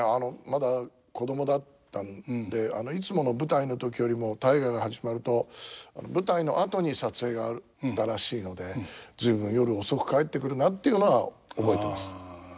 まだ子供だったんでいつもの舞台の時よりも「大河」が始まると舞台の後に撮影があったらしいので「随分夜遅く帰ってくるな」っていうのは覚えてます。